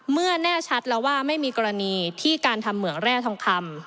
แน่ชัดแล้วว่าไม่มีกรณีที่การทำเหมืองแร่ทองคำ